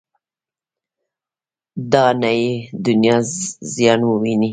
دا نه یې دنیا زیان وویني.